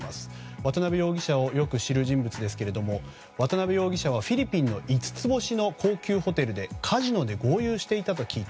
渡邉容疑者をよく知る人物ですけれども渡邉容疑者はフィリピンの五つ星の高級ホテルでカジノで豪遊していたと聞いた。